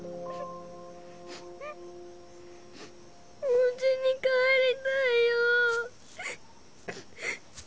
おうちに帰りたいよう。